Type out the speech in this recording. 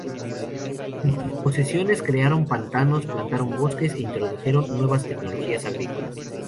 En sus posesiones crearon pantanos, plantaron bosques e introdujeron nuevas tecnologías agrícolas.